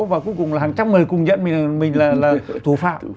và cuối cùng là hàng trăm người cùng nhận mình là thủ phạm